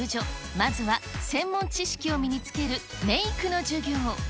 まずは専門知識を身につけるメイクの授業。